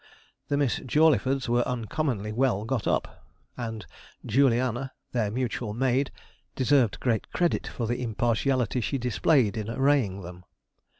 The Miss Jawleyfords were uncommonly well got up, and Juliana, their mutual maid, deserved great credit for the impartiality she displayed in arraying them.